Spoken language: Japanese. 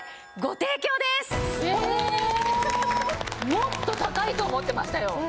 もっと高いと思ってましたよ。